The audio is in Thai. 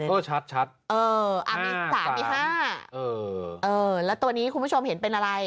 โอ้ชัด๕๓เออแล้วตัวนี้คุณผู้ชมเห็นเป็นอะไร